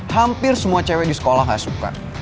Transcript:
hampir semua cewek di sekolah gak suka